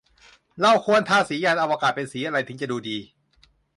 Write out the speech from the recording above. เราควรทาสียานอวกาศเป็นสีอะไร จึงจะดูดี